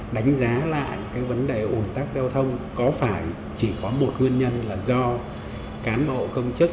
đánh giá lại cái vấn đề ủn tắc giao thông có phải chỉ có một nguyên nhân là do cán bộ công chức